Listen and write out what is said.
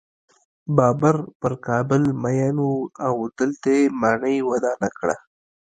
بابر پر کابل مین و او دلته یې ماڼۍ ودانه کړه.